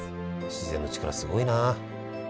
自然の力すごいな。